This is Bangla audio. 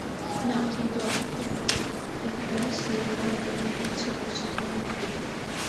না, কিন্তু অব্যক্ত প্রতিজ্ঞার সীলমোহর করে নিতে ইচ্ছা করছে তোমার মুখটিতে।